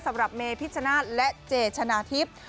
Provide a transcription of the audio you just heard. สำหรับเมพิชชนะและเจชนะทิฟต์